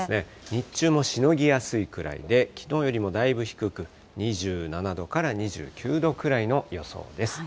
日中もしのぎやすいくらいで、きのうよりもだいぶ低く２７度から２９度くらいの予想です。